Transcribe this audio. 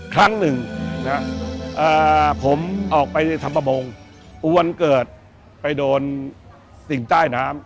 ครั้ง๑ผมออกไปทำประมงอวรรณเกิดไปโดนสิ่งใต้น้ำ